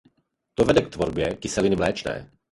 To vede k tvorbě kyseliny mléčné.